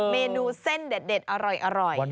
เมนูเส้นเด็ดอร่อย